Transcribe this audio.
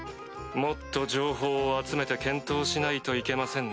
もっと情報を集めて検討しないといけませんね。